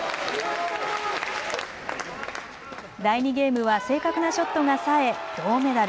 第２ゲームは正確なショットがさえ、銅メダル。